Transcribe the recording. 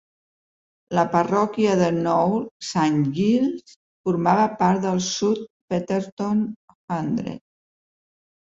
La parròquia de Knowle Saint Giles formava part del South Petherton Hundred.